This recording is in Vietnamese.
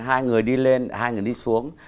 hai người đi lên hai người đi xuống